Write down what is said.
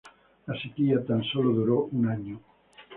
La sequía tan sólo duró un año.